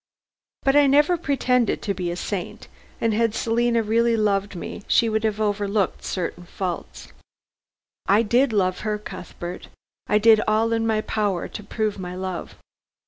But I never pretended to be a saint, and had Selina really loved me she would have overlooked certain faults. I did love her, Cuthbert. I did all in my power to prove my love.